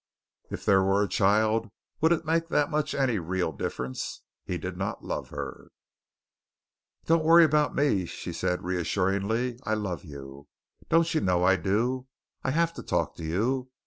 If there were a child, would that make any real difference? He did not love her. "Don't worry about me," she said reassuringly. "I love you. Don't you know I do? I have to talk to you.